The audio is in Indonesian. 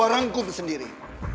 dan gue rangkum sendiri